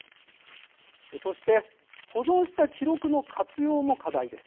そして、保存した記録の活用も課題です。